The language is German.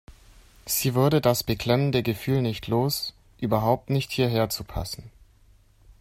Sie wurde das beklemmende Gefühl nicht los, überhaupt nicht hierher zu passen.